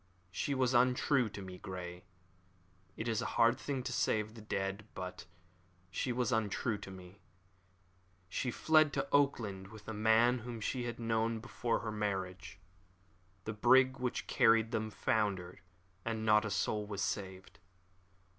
She was untrue to me, Grey. It is a hard thing to say of the dead, but she was untrue to me. She fled to Auckland with a man whom she had known before her marriage. The brig which carried them foundered, and not a soul was saved."